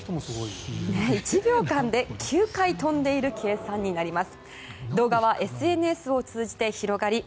１秒間で９回跳んでいる計算になります。